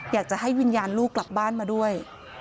อยากจะให้วิญญาณลูกกลับบ้านมาด้วย